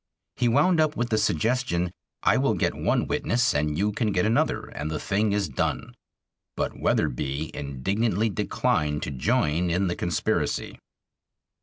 He wound up with the suggestion, "I will get one witness and you can get another, and the thing is done." But Wetherbee indignantly declined to join in the conspiracy.